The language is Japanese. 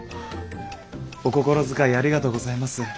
お心遣いありがとうございます。